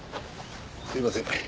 すみません。